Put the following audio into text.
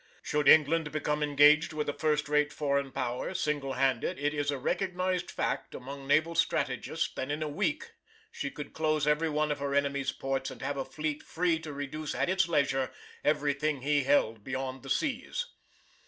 Should England become engaged with a first rate foreign power, single handed, it is a recognised fact amongst naval strategists that in a week she could close every one of her enemy's ports and have a fleet free to reduce at its leisure everything he held beyond the seas.